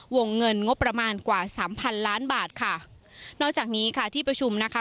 วงเงินงบประมาณกว่าสามพันล้านบาทค่ะนอกจากนี้ค่ะที่ประชุมนะคะ